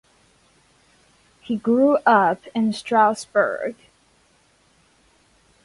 He grew up in Strasbourg.